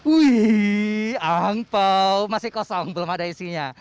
wih angpau masih kosong belum ada isinya